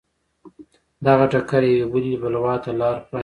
دغه ټکر یوې بلې بلوا ته لار پرانېسته.